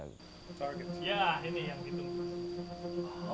target ya ini yang ditunggu